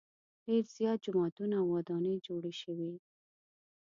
ډېر زیات جوماتونه او ودانۍ جوړې شوې.